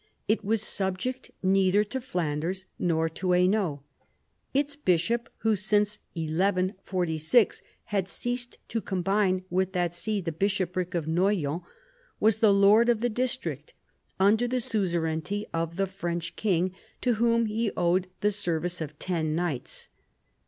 It was subject neither to Flanders nor to Hainault. Its bishop, who since 1146 had ceased to combine with that see the bishopric of Noyon, was the lord of the district, under the suzer ainty of the French king, to whom he owed the service of ten knights.